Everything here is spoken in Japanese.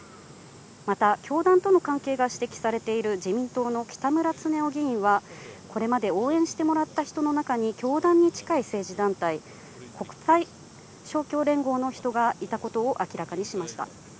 また教団との関係が指摘されている自民党の北村経夫議員はこれまで応援してもらった人の中に教団の近い政治団体、国際勝共連合の人がいたことを明らかにしました。